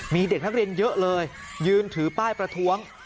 มีเด็กนักเรียนเยอะเลยยืนถือป้ายประท้วง